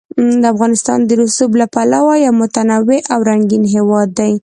افغانستان د رسوب له پلوه یو متنوع او رنګین هېواد دی.